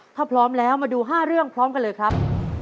ถ้าพร้อมแล้วมาดู๕เรื่องพร้อมกันเลยครับ